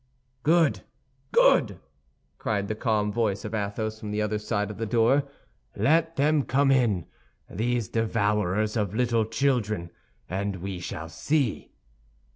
"Good, good!" cried the calm voice of Athos, from the other side of the door, "let them just come in, these devourers of little children, and we shall see!"